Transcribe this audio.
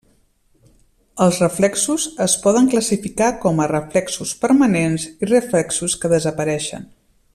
Els reflexos es poden classificar com a reflexos permanents i reflexos que desapareixen.